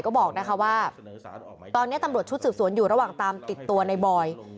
ก็บอกนะคะว่าตอนนี้ตำรวจชุดสืบสวนอยู่ระหว่างตามติดตัวในบอย